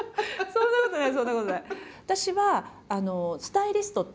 そんなことない。